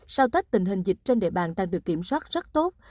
sau tết tình hình dịch trên địa bàn đang được kiểm soát rất tốt